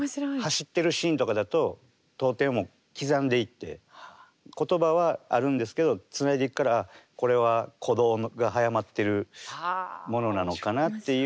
走ってるシーンとかだと読点を刻んでいって言葉はあるんですけどつないでいくからこれは鼓動が速まってるものなのかなっていうことができたりとか。